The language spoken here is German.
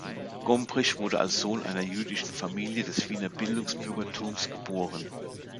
Gombrich wurde als Sohn einer jüdischen Familie des Wiener Bildungsbürgertums geboren.